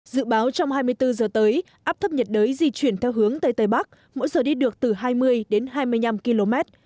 dự báo trong hai mươi bốn giờ tới áp thấp nhiệt đới di chuyển theo hướng tây tây bắc mỗi giờ đi được từ hai mươi đến hai mươi năm km